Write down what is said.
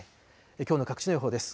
きょうの各地の予報です。